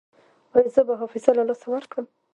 ایا زه به حافظه له لاسه ورکړم؟